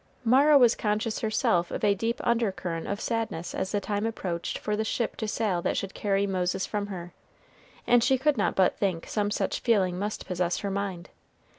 Mara was conscious herself of a deep undercurrent of sadness as the time approached for the ship to sail that should carry Moses from her, and she could not but think some such feeling must possess her mind.